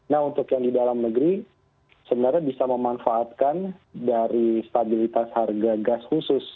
nah untuk yang di dalam negeri sebenarnya bisa memanfaatkan dari stabilitas harga gas khusus